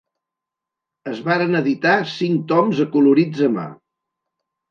Es varen editar cinc toms acolorits a mà.